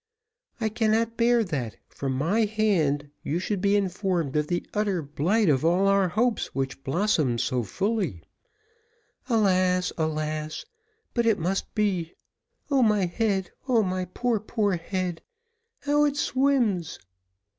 I cannot bear that, from my hand, you should be informed of the utter blight of all our hopes which blossomed so fully. Alas! alas! but it must be. O my head, my poor, poor head how it swims!